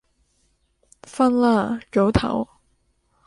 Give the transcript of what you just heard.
瞓啦，早唞